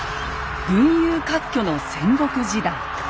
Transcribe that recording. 群雄割拠の戦国時代。